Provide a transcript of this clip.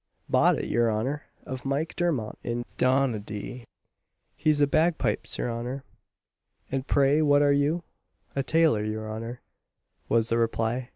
"Bought it, your honour, of Myke Dermot, in Donaghadee He's a bagpipes, your honour." "And pray what are you?" "A tailor, your honour," was the reply.